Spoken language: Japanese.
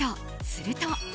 すると。